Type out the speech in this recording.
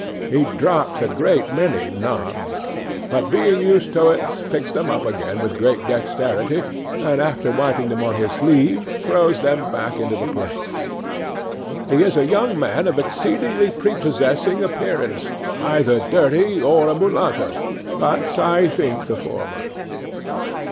He drops a great many knobs; but, being used to it, picks them up again with great dexterity, and, after wiping them on his sleeve, throws them back into the plates. He is a young man of exceedingly prepossessing appearance—either dirty or a mulatto, but I think the former.